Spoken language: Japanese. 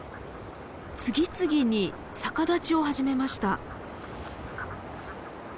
次々に逆立ちを始めました。